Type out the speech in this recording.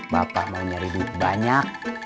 bapak mau nyari duit banyak